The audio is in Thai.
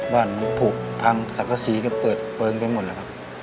บ้านผูกพังสังกษีก็เปิดเปลืองไปหมดแล้วครับ